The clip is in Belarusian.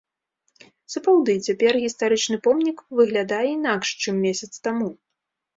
Сапраўды, цяпер гістарычны помнік выглядае інакш, чым месяц таму.